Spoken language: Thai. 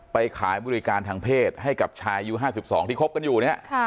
ไปขายบริการทางเพศให้กับชายอายุห้าสิบสองที่คบกันอยู่เนี้ยค่ะ